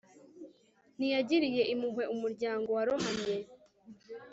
ntiyagiriye impuhwe umuryango warohamye